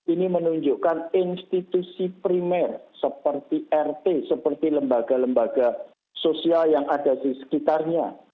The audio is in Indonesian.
ini menunjukkan institusi primer seperti rt seperti lembaga lembaga sosial yang ada di sekitarnya